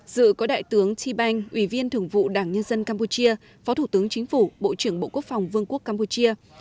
dự có đại tướng thi banh ủy viên thưởng vụ đảng nhân dân campuchia phó thủ tướng chính phủ bộ trưởng bộ quốc phòng vương quốc campuchia